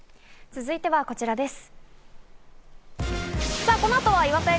続いてはこちらです。